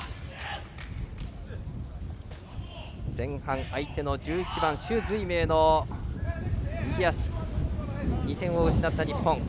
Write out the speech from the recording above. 前半、相手の１１番朱瑞銘の右足で２点を失った日本。